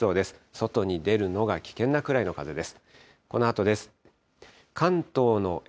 外に出るのが危険なくらいの風です。